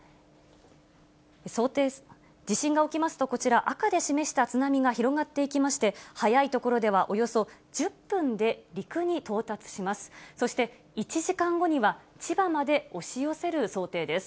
地震が起きますとこちら、赤で示した津波が広がっていきまして、早い所では、およそ１０分で、陸に到達します。